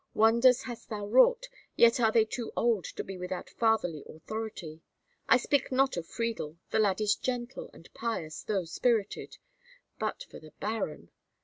Wonders hast thou wrought, yet are they too old to be without fatherly authority. I speak not of Friedel; the lad is gentle and pious, though spirited, but for the baron.